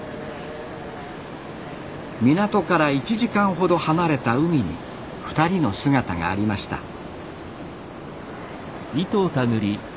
港から１時間ほど離れた海に２人の姿がありました。